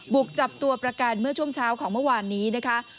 บุกจับตัวประกันเมื่อช่วงเช้าของเมื่อวานนี้นะคะ